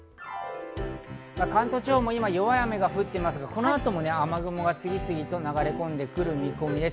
関東地方も今、弱い雨が降っていますが、このあとも雨雲が次々と流れ込んでくる見込みです。